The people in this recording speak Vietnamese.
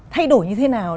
thay đổi như thế nào